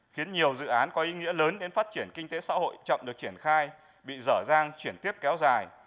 khiến nhiều dự án có ý nghĩa lớn đến phát triển kinh tế xã hội chậm được triển khai bị dở dang chuyển tiếp kéo dài